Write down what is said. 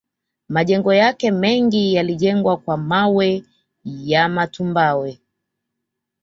Majengo yake mengi yalijengwa kwa mawe ya matumbawe